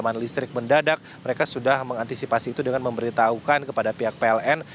pengamanan listrik mendadak mereka sudah mengantisipasi itu dengan memberitahukan kepada pihak pln